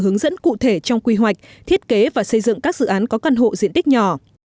hướng dẫn cụ thể trong quy hoạch thiết kế và xây dựng các dự án có căn hộ diện tích nhỏ